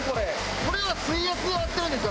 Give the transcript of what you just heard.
これは水圧で割ってるんですか？